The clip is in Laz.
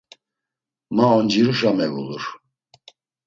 Ma onciruşa mevulur.